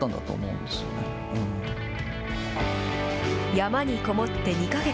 山に籠もって２か月。